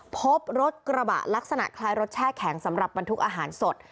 พบรถกระบะลักษณะคล้ายรถแช่แข็งสำหรับบรรทุกอาหารสด